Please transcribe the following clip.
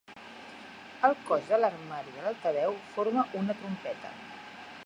El cos de l'armari de l'altaveu forma una trompeta.